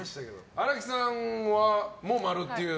荒木さんも○っていう。